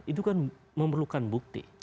itu kan memerlukan bukti